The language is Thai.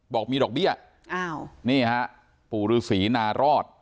บอกมีดอกเบี้ยอ้าวนี่ฮะปู่ฤษีนารอด